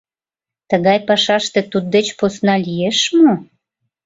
Тыгай пашаште туддеч посна лиеш мо?